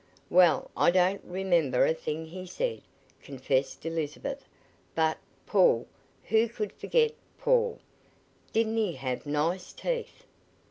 "Well, I don't remember a thing he said," confessed Elizabeth; "but Paul who could forget Paul? Didn't he have nice teeth?"